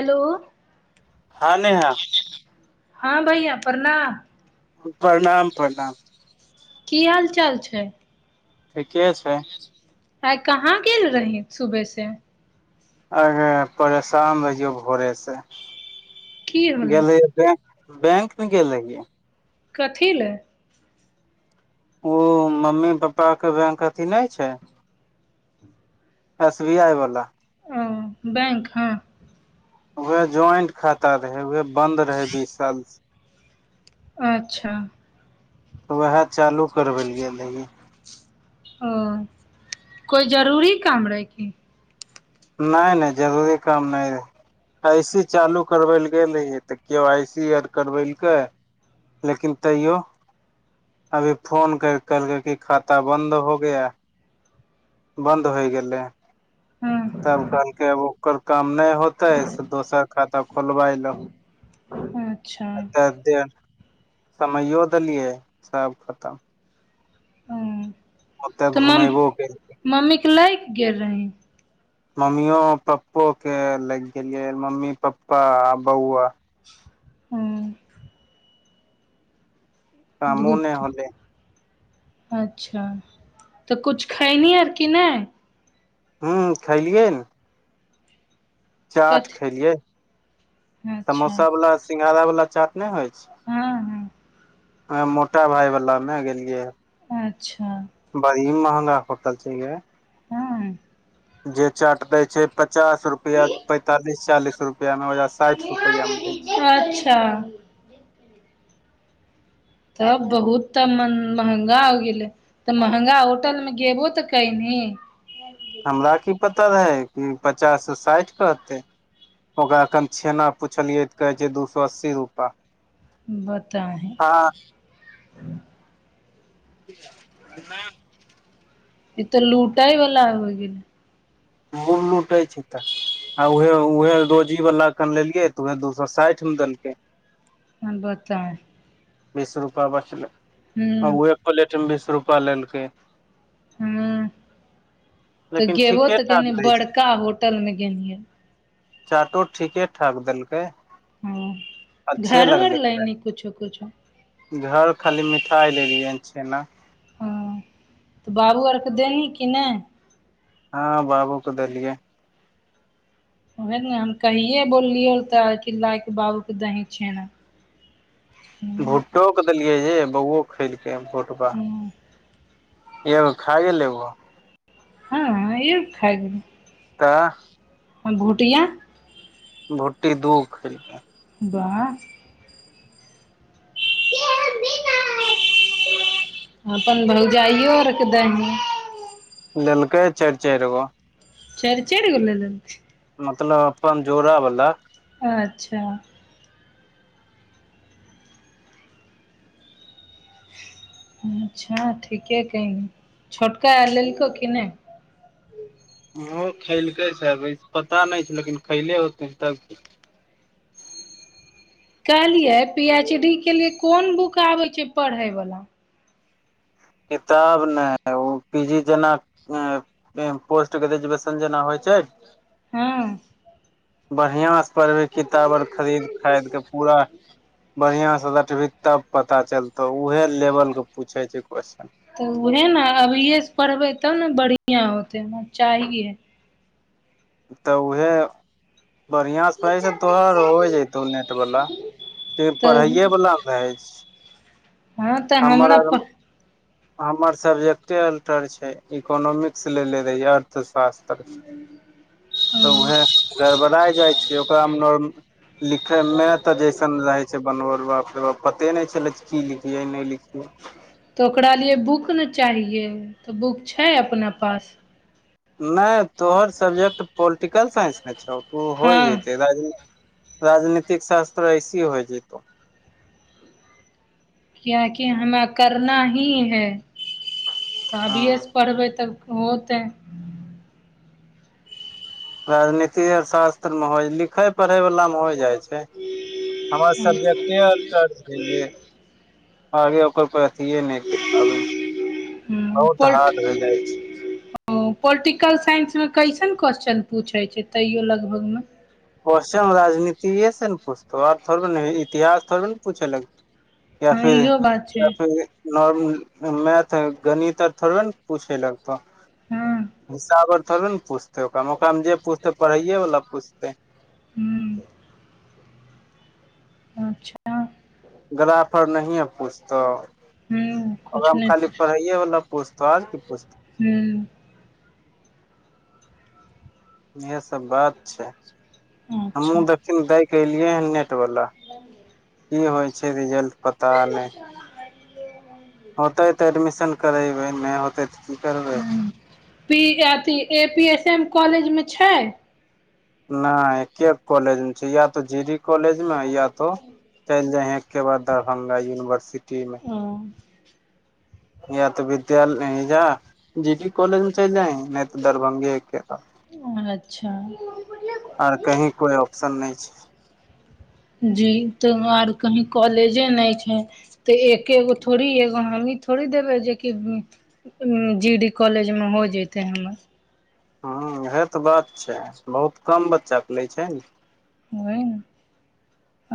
Hello हँ नेहा हँ भैया प्रणाम प्रणाम प्रणाम की हाल चाल छै ठीके छै आइ कहाँ गेल रही सुबह से अगे परेशान रहियौ भोरे से की होलै गेल रहियै बैंक बैंक न गेल रहियै कथी लए ओ मम्मी पापाके बैंक अथी नहि छै एस बी आइ बला ओ बैंक हँ उहे ज्वाइंट खाता रहै उहे बन्द रहै बीस साल से अच्छा तऽ वएह चालू करबै लऽ गेल रहियै ओ कोइ जरूरी काम रहै कि नाइ नाइ जरूरी काम नइ रहै ऐसी चालू करबै लऽ गेल रहियै तऽ के वाइ सी आर करबेल कै लेकिन तैयो अभी फोन करि क कहलकै की खाता बंन्द हो गया बन्द होइ गेलै हँ तब कहलके आब ओकर काम नय होत तै से दोसर खाता खोलबाय लहो अच्छा आ तै समैयो देलियै सब खतम हँ ओत्ते घुमैबो केलकै मम्मी के लैके गेल रही? मम्मीओ पप्पो के लके गेलियै मम्मी पप्पा आ बौआ। हूँ कामो धूप नहि होलै अच्छा तऽ कुछु खयली अ कि नहि? हूँ खलियै ने। चाट कथी खेलियै अच्छा समोसा वाला सिंघारा वाला चाट नै होइ छैय। हँ हँ वैह मोटा भाई वाला मे गेलियै ह। अच्छा बड़ी महंगा होटल छैय गे। हँ जे चाट दैय छैय पचास रुपया पेंतालिस चालीस रुपया में ओइजा साठ रुपया में दै छैय। अच्छा तब बहुत त मन महगा हो गेलै। तऽ महँंगा होटलमे त गेबो तऽ कैनी। हमरा की पता रहै कि पचाससँ साठि कहतै। ओकरा एखन छेना पुछलियै तऽ कहे छैय दू सए अस्सी रूपा। बताही। हँ [unintelligible] ई तऽ लूटइ वाला आब हो गेलै। मूल लूटै छैय तऽ। आ उह उहे रोजी वालला कन लेलियै तऽ उहे दू सए साठि मे देलकै। ह बताही। बीस रूपआ बचलै हूँ आ उह पलेटमे बीस रूपआ लेलकै। हँ तऽ लेकिन गेबो ठीके तऽ ठाक कनी दै छै बड़का होटल मे गेलही। चाटो ठीके ठाक देलकै। हं अच्छे घरो आर लगलै खाय। लैली कुछो कुछो? घर खाली मिठाइ लेलियै हन छेना। हँ तऽ बाबू आरके देनही कि नहि? हँ बाबू क देलियै। उएह ने हम कहिये बोललियै तऽ कि लाायके बाबूके दही छेना। ह भुटो क देलियै जे बौओ खेलकै। भूटपा हँ एगो खाए लेबो। हँ एगो खा गेलै। तऽ भुटिया? भुट्टी दू खेलकै। बाह अपन भौजाइो आरके दही। लेलकय या चारी चारी गो। च चड़ि जी ले लेलकय? मतलब अपन जोरा बला। अच्छा अच्छा ठीके कैनी छोटका लेलकौ कि नहि? ओ खेलकै सस पता नहि लेकिन खैले होतै तब। कहलियै पी एच डी के लिए कोन बुक आबै छै पढ़ै वला? किताब नहि ओ पी जी जेना पोस्ट ग्रेजुएशन जेना होय छैय, हँ बढ़ियां पढहभी किताब आर खरीद खरीद के पूरा बढ़िया से रटबही तब पता चलतौ उहे लेवल के पूछे छैयह क्वस््चन तऽ उएह ने अभियएसँ पढ़बै तब ने बढ़िआँ होतै हमरा चाहिये। तऽ उहे। बढ़ियां से पै छै तोहर हो जतौ नेट वाला तऽ पढ़ाइए वाला मे रहै छै हँ तऽ हमरा हमर आर पता हमर सब्जेक्टे अल्टर छैय इकोनोॉमिक्स लेेने रहियै। [unintelligible] तऽ उहे गड़बड़ा जाइ छैय ओकरामे लिखैमे तऽ जैसन रहै छैय बनबै उ पते नहि छलै की लिखियै नहि लिखियै। तऽ ओकरा लिए बुक ने चाहियए तऽ बुक छैय अपना पास? नहि तोहर सब्जेक्ट पोलिटिकल साइंस न छौ त ऊ हो हँ जतै राज राजनीतिक शास्त्र ऐसेही हो जतौ। कियाकि हमरा करना ही है त हँ अभिये से पढ़बै तब होतै। राजनीति आर शास्त्र में हो लिखे पढ़े वाला में हो जाइ छैय। हमर सबके अल्टर छैय जे आगे ओकर पर अथिए नहि कर पाबै बहुत हार्ड भए जाइ छैय। ओ पोलिटिकल साइंसमे कैसन क्वस्चन पूछैत छैय तैयो लगभगमे। क्वेश्चन राजनीतिए से ने पुछतौ आर थोड़े इतिहास थोड़बे ने पूछै लगत या हँ फिर इहो बात छै या फिर मैथ गणित आर थोड़बे ने पूछेलक। त हँ हिसाब आर थोड़े ने पुछतै ओकरामे ओकरामे जे पुछतै पढ़ैए वाला पुछतै। हूँ अच्छा गला नहिये पुछतौ हूँ कुछ ओकरा मे खाली नहि पढ़इे वाला पुछतो आर की पुछतौ? हू इह सब बात छैय हमहु अच्छा देखहीन दैके एलियै हन नेट वाला। [unintelligible] की होइ छैय रिजल्ट पता नहि। होतै तऽ एडमिशन करेबै नहि होतै तऽ की करबै। हूँ पी अथी ए पी एस एम कॉलेजमे छैय? नहि एके कॉलेज मे छैय या तो जी डी कॉलेज मे या तो चलि जाही के बाद दरभंगा यूनिवर्सिटी मे। हँ या तऽ विद्यालय जा जी डी कॉलेज में चल जाय नहि तऽ दरभंगे के। अच्छा आओर कही कोइ ऑप्शन नहि छैय। जी तऽ आर कहीं कॉलेजे नहि छैय। तऽ एकेगो थोड़ी एगो हमही थोड़ी देबै जेकि जी डी कॉलेजमे हो जतै हमर। हूँ इएह तऽ बात छैय बहुत कम बच्चाके लै छैय ने। वहीं ने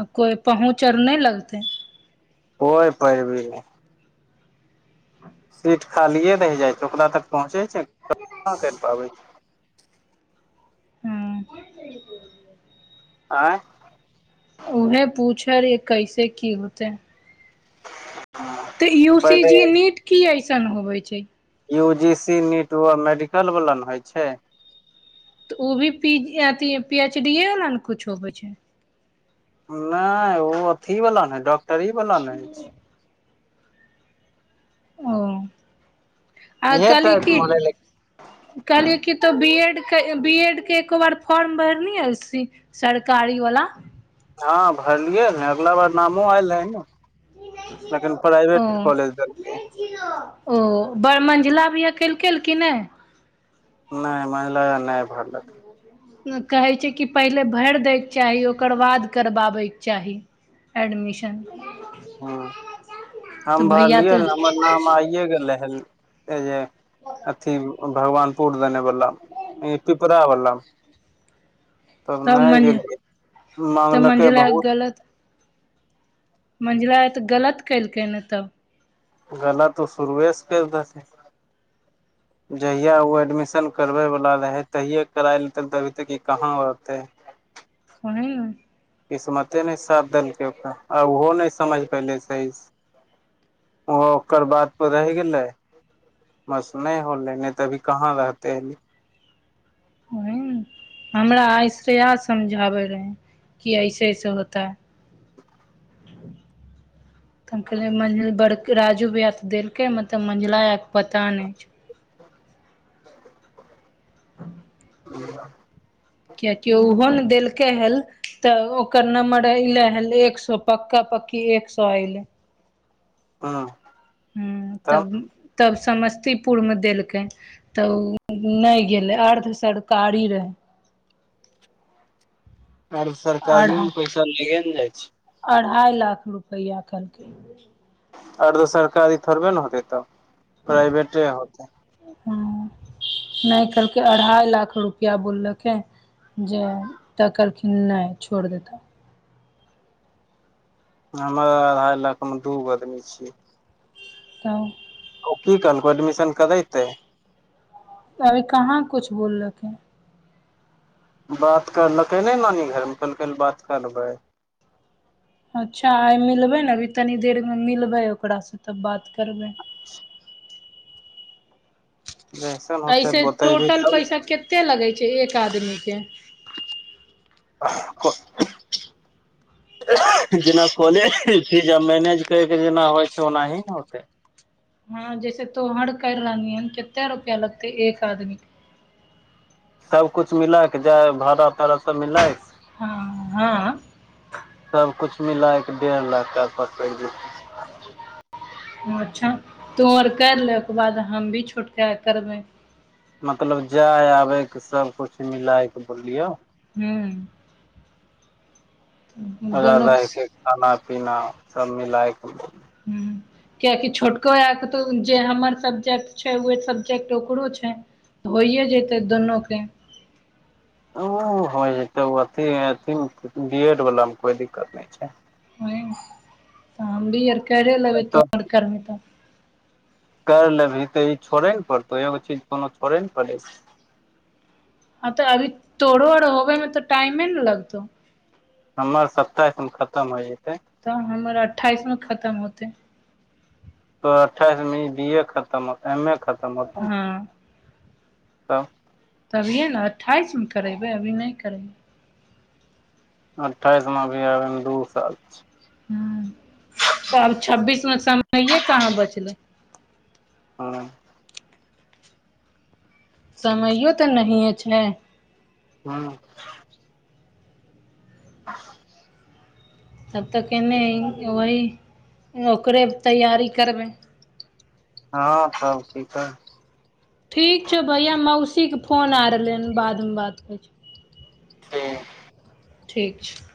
आ कोइ पहुँच आर नहि लगतै। [unintelligible] सीट खालिए रहि जाइत छैय ओकरा तक पहुँचैत छैय ना करि पाबै छैय। हूँ आँय उहे पूछय रही कैसे की होतै? तऽ यू सी पहिले जी नीट की अयसन होवे छैय? यू जी सी नीट व मेडिकल वाला ने होइ छैय। तऽ ओ भी पी अथी पी एच डी वला नऽ कुछो होय छै नाइ ओ अथी वला नऽ डॉक्टरी वाला नऽ होई छै ओ आ इहे कहली टाइप की मे होलै लेकिन कहलियै क तो बी एड के बी एड के एको बार फॉर्म भरनी वैसी सरकारी वला हँ भरलियै ने अगला बार नामो आयल रहै ने लेकिन प्राइवेट ओ कॉलेज देलकै ओ बर मंझिल भी केल केल की नइ नहि [unintelligible] नहि भरल त कहै छै कि पहिले भरि दैके चाही ओकर बाद करबाबै के चाही एडमिशन ह हम तऽ भैया भरलियै तऽ हमर नाम आइए गेलै हन जे अथी भगवान पूर देने वला ई पिपरा बला तब नइ गेलियै तऽ माँगलकै मंझिला बहुत मझिला ए तऽ गलत केलकै ने तब गला तऽ शुरूए सँ कैर रहलै [inaudible] जहिया ओ एडमिशन करबेवला रहै तहियए कराय लेत तभी तक कहाँ रहतै [unintelligible] किस्मते नइ साथ देलकै ओकरा आ ओहो नइ समझ पयलै सही ओ ओकर बात पर रहि गेलै बस नइ होले ने तऽ अभी कहाँ रहते ओह हमरा आय श्रया समझाबै रहै कि ऐसे ऐसे होता है [inaudible] तऽ हम कहलियै मंजिल बड़ राजू भैया तऽ देलकै मत तब मझिला भैया क पता नहि छै [inaudible] [inaudible] कियकि ओहो न देलकै हल तऽ ओकर नम्बर अयले हल एक सौ पक्का पक्की एक सौ ऐले हँ हूँ तब तब समस्तीपुर मे देलकै तऽ ओ नइ गेलै अर्ध सरकारी रहै आर सरकारियो अढ़ा मऽ पैसा लगे नऽ जाइ छै अढ़ाइ लाख रुपैया कहलकै अर्ध सरकारी थोड़बे नऽ होतै तब प्राइवेटे होतै हुँ नहि कहलकै अढ़ाइ लाख रुपया बोललकै जे तऽ कहलखिन नइ छोड़ि देताह हमर अढ़ाई लाख मे दू गो आदमी छियै तब ओ की कहलको एडमिशन करैते अभी कहाँ कुछु बोललकै बात करलकै नै नानी घरमे कहलकै बात कर लेबै अच्छा आइ मिलबै न अभी तनी देरमे मिलबै ओकरासँ तब बात करबै [inaudible] जैसन होते ऐसे बतेबी टोटल तब पैसा कतेक लगै छै एक आदमीके आ को जेना कॉलेज फी मैनेज करके जेना होइ छै ओनाही ओते हँ जैसे तोहर कैर रहली हऽ कते रुपया लगतै एक आदमी केँ सबकुछु मिलक जाय भाड़ा तड़ा सब मिलैक हँ हँ सबकिछु मिलाके डेढ़ लाख टक पकड़ि जेतै अच्छा तो आर करि ले ओकर बाद हम भी छोटका कऽ करबै मतलब जाय आबैके सबकछु मिलाय के बोललियौ हूँ दोनो रहके हूँ खाना पीना सब मिलएके हूँ किएकि छोटको आर के तऽ जे हमर सब्जेक्ट छै उहे सब्जेक्ट ओकरो छै होइए जेतै दुनूके ओ होइ जे तऽ अथि अथि मे बी एड वला मे कोइ दिक्कत नइ छै त हमभी आर करे लेबै तो तऽ अर करबी तऽ कर लेबही तऽ ई छोड़े न पड़तौ एगो चीज कोनो छोड़े न पड़ै छै हँ तऽ अभी तोड़ो आर होबे मे तऽ टाइमे नऽ लगतौ हमर सत्ताइस मऽ खतम होइ जेतै तऽ हमर अठाइस मऽ खतम होतै त अठाइस मे ई बी ए खतमत हो एम ए खतम होतौ हँ तब तभिए न अठ्ठाइस म करेबै अभी नइ करेबै अठाइस म अभी आबै म अभि दू साल छै हूँ तऽ साल छब्बीस मऽ समये कहाँ बचलै हँ समयो तऽ नहिए छै हँ [inaudible] तब तऽ केने वही ओकरे तैयरी करबै हँ सब ठीक हइ ठीक छै भैया मौसीके फोन आ रहलै हन बादमे बात करै छियो कर ठीक छै